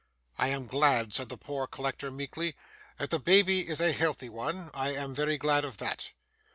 'I am glad,' said the poor collector meekly, 'that the baby is a healthy one. I am very glad of that.